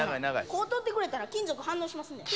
「ここ通ってくれたら金属反応しますんで」